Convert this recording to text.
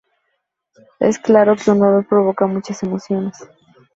Es claro que un olor provoca muchas emociones.